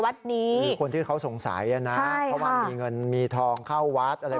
มีคนที่เขาสงสัยอ่ะนะเพราะว่ามีเงินมีทองเข้าวัดอะไร